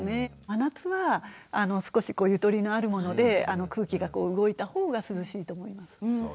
真夏は少しゆとりのあるもので空気が動いた方が涼しいと思います。